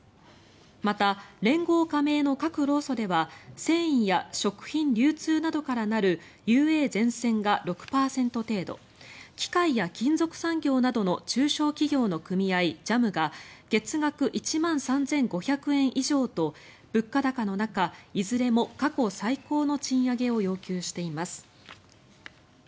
また連合加盟の各労組では繊維や食品、流通などから成るＵＡゼンセンが６％程度機械や金属産業などの中小企業の組合、ＪＡＭが月額１万３５００円以上と物価高の中いずれも過去最高の賃上げを要求しています。